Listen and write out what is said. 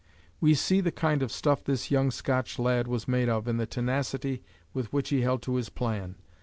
We see the kind of stuff this young Scotch lad was made of in the tenacity with which he held to his plan.